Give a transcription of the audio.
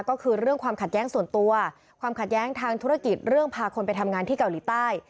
ก็คือเรื่องความขัดแย้งส่วนตัวความขัดแย้งทางธุรกิจเรื่องพาคนไปทำงานที่เกาหลีใต้